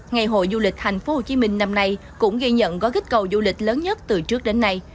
ngày hội du lịch tp hcm năm nay cũng ghi nhận gói kích cầu du lịch lớn nhất từ trước đến nay